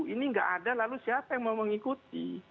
ini nggak ada lalu siapa yang mau mengikuti